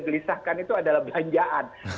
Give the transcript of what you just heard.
gelisahkan itu adalah belanjaan